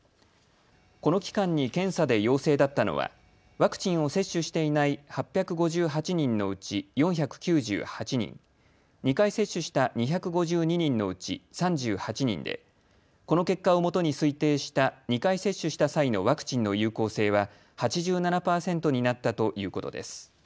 この期間に検査で陽性だったのはワクチンを接種していない８５８人のうち４９８人、２回接種した２５２人のうち３８人でこの結果をもとに推定した２回接種した際のワクチンの有効性は８７％になったということです。